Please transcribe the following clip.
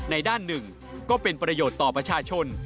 ด้านหนึ่งก็เป็นประโยชน์ต่อประชาชน